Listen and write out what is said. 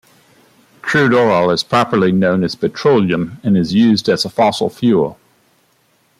Crude oil is properly known as petroleum, and is used as fossil fuel.